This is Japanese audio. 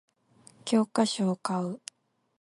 教科書を買う